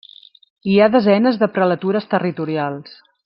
Hi ha desenes de prelatures territorials.